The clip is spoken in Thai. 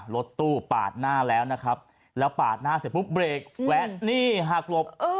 รถตู้ปาดหน้าแล้วนะครับแล้วปาดหน้าเสร็จปุ๊บเบรกแวะนี่หักหลบ